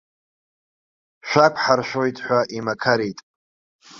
Шәақәҳаршәоит ҳәа имақарит.